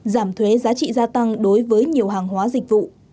giảm thuế giá trị gia tăng đối với nhiều hàng hóa dịch vụ